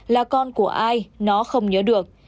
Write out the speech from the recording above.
là con của ai nó không nhớ được